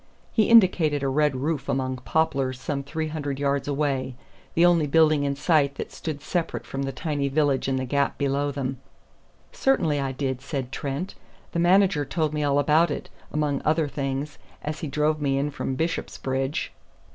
He indicated a red roof among poplars some three hundred yards away, the only building in sight that stood separate from the tiny village in the gap below them. "Certainly I did," said Trent. "The manager told me all about it, among other things, as he drove me in from Bishopsbridge."